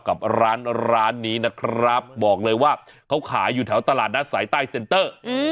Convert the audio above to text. กับร้านร้านนี้นะครับบอกเลยว่าเขาขายอยู่แถวตลาดนัดสายใต้เซ็นเตอร์